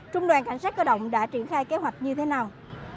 trung đoàn cảnh sát cơ động đã triển khai kế hoạch như thế nào